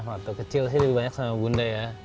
waktu kecil saya lebih banyak sama bunda ya